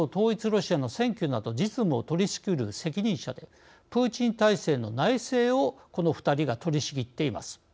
ロシアの選挙など実務を取りしきる責任者でプーチン体制の内政をこの２人が取りしきっています。